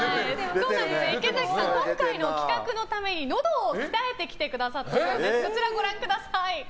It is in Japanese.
池崎さん、今回の企画のためにのどを鍛えてきてくださったようです。